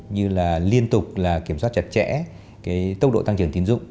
như liên tục kiểm soát chặt chẽ tốc độ tăng trưởng tiến dụng